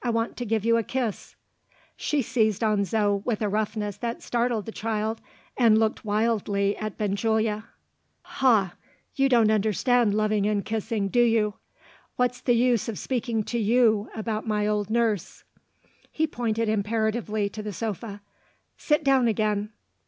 I want to give you a kiss." She seized on Zo with a roughness that startled the child, and looked wildly at Benjulia. "Ha! you don't understand loving and kissing, do you? What's the use of speaking to you about my old nurse?" He pointed imperatively to the sofa. "Sit down again."